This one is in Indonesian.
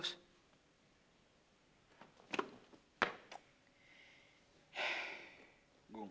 kita tak punya